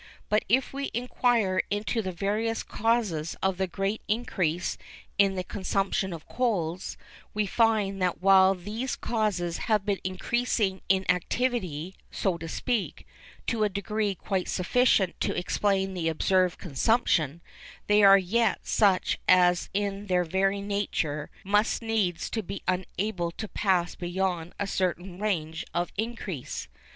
But if we inquire into the various causes of the great increase in the consumption of coals, we find that while those causes have been increasing in activity—so to speak—to a degree quite sufficient to explain the observed consumption, they are yet such as in their very nature must needs be unable to pass beyond a certain range of increase.